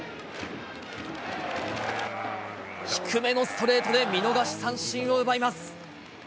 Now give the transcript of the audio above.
低めのストレートで見逃し三振を奪います。